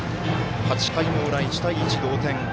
８回の裏、１対１同点。